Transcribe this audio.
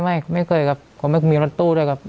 ไม่เคยครับเขาไม่มีรถตู้ด้วยครับ